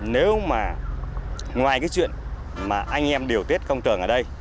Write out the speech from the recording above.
nếu mà ngoài cái chuyện mà anh em điều tiết công trường ở đây